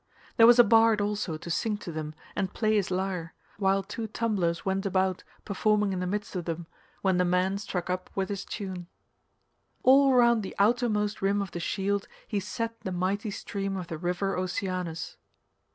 There was a bard also to sing to them and play his lyre, while two tumblers went about performing in the midst of them when the man struck up with his tune. All round the outermost rim of the shield he set the mighty stream of the river Oceanus.